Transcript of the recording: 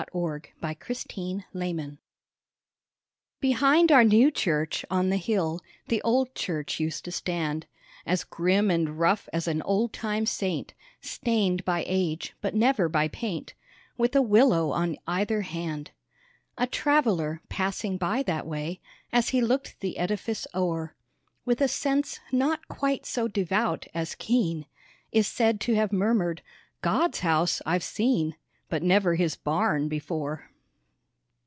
W X . Y Z The Old Church Behind our new church, on the hill, The old church used to stand, As grim and rough as an old time saint, Stained by age, but never by paint, With a willow on either hand. A traveller, passing by that way, As he looked the edifice o'er, With a sense not quite so devout as keen, Is said to have murmered, "God's house I've seen, But never His barn before!"